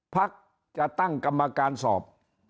พักจะตั้งกรรมการสอบ